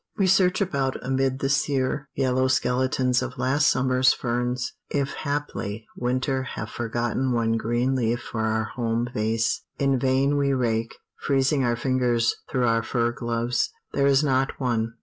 We search about amid the sere, yellow skeletons of last summer's ferns, if haply winter have forgotten one green leaf for our home vase in vain we rake, freezing our fingers through our fur gloves there is not one.